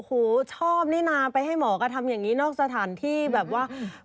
ชอบนี่นะไปให้หมอกระทำอย่างนี้นอกสถานที่แบบว่า